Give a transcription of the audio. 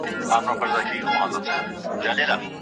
مسافر له ځان سره مه وړئ.